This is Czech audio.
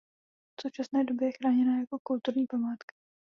V současné době je chráněna jako kulturní památka.